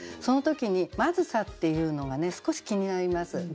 その時に「まずさ」っていうのが少し気になります。